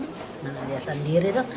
nggak ada yang lihat sendiri